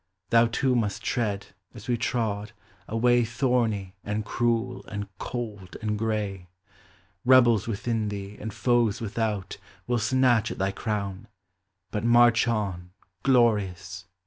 Thou too must tread, as we trod, a way Thorny, and cruel, and cold, and gray; Rebels within thee and foes without Will snatch at thy crown. Hut march on, glorious.